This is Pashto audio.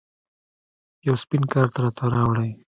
یو سپین کارت راته راوړئ